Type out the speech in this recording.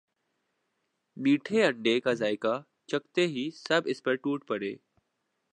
میٹھے انڈے کا ذائقہ چکھتے ہی سب اس پر ٹوٹ پڑے